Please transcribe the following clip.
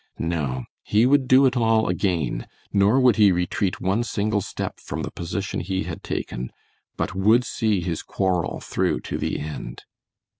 No, he would do it all again, nor would he retreat one single step from the position he had taken, but would see his quarrel through to the end.